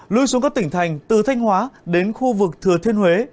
lui xuống các tỉnh thành từ thanh hóa đến khu vực thừa thiên huế